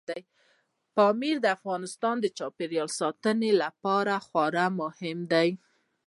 پامیر د افغانستان د چاپیریال ساتنې لپاره خورا مهم دی.